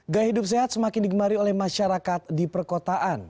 gaya hidup sehat semakin digemari oleh masyarakat di perkotaan